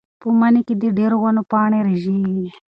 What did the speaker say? په مني کې د ډېرو ونو پاڼې رژېږي.